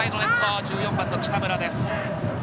１４番の北村です。